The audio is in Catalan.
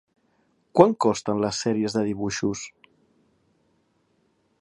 Quant costen les sèries de dibuixos?